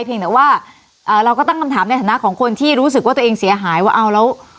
เพียงแต่ว่าเราก็ตั้งคำถามในฐานะของคนที่รู้สึกว่าตัวเองเสียหายว่าเอาแล้ว